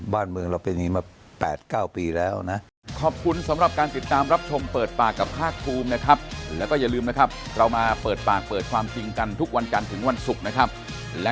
บ้านเมืองเราเป็นอย่างนี้มา๘๙ปีแล้วนะ